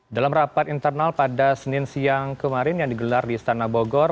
dalam rapat internal pada senin siang kemarin yang digelar di istana bogor